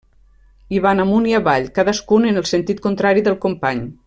Hi van amunt i avall, cadascun en el sentit contrari del company.